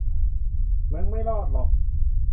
มึงไม่รอดหรอก